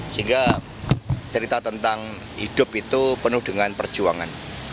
sehingga cerita tentang hidup itu penuh dengan perjuangan